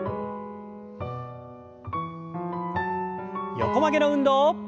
横曲げの運動。